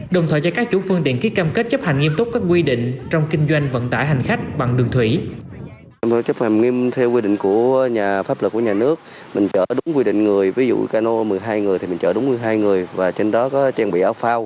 đồng thời cho các chủ phương tiện ký cam kết chấp hành nghiêm túc các quy định trong kinh doanh vận tải hành khách bằng đường thủy